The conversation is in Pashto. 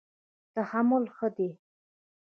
تحمل ښه دی.